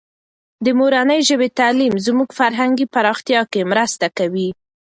د مورنۍ ژبې تعلیم زموږ فرهنګي پراختیا کې مرسته کوي.